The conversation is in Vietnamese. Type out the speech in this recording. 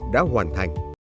đã hoàn thành